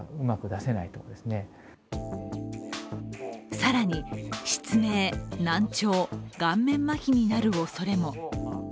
更に失明、難聴顔面まひになるおそれも。